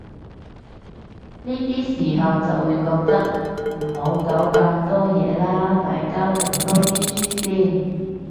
呢啲時候就會覺得，唔好搞咁多嘢喇，大家讀多啲書先